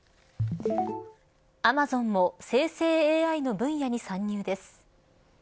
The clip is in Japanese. アマゾンも生成ＡＩの分野に参入です。